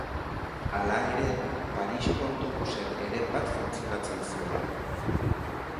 Hala ere, Parisko autobusen heren bat funtzionatzen zuen.